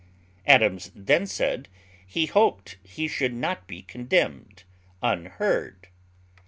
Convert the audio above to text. Adams then said, "He hoped he should not be condemned unheard."